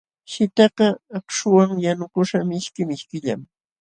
Shitqakaq akśhuwan yanukuśhqa mishki mishkillam.